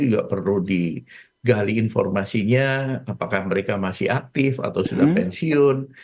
juga perlu digali informasinya apakah mereka masih aktif atau sudah pensiun